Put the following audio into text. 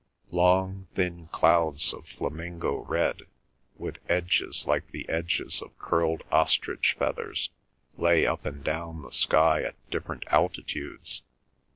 Long thin clouds of flamingo red, with edges like the edges of curled ostrich feathers, lay up and down the sky at different altitudes.